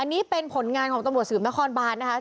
อันนี้เป็นผลงานของตรวจสืบมหาคอนบาทนะครับ